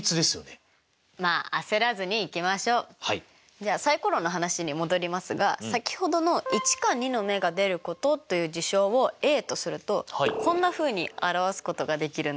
じゃあサイコロの話に戻りますが先ほどの１か２の目が出ることという事象をＡとするとこんなふうに表すことができるんです。